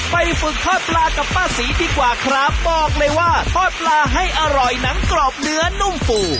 ไปฝึกทอดปลากับป้าศรีดีกว่าครับบอกเลยว่าทอดปลาให้อร่อยหนังกรอบเนื้อนุ่มฟู